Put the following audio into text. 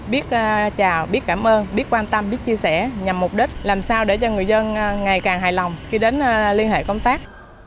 biết chào biết cảm ơn biết quan tâm biết chia sẻ nhằm mục đích làm sao để cho người dân ngày càng hài lòng khi đến liên hệ công tác